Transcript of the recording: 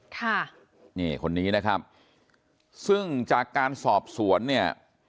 ค่ะนี่คนนี้นะครับซึ่งจากการสอบสวนเนี่ย